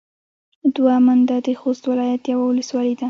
دوه منده د خوست ولايت يوه ولسوالي ده.